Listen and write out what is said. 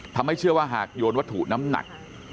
เชื่อว่าหากโยนวัตถุน้ำหนัก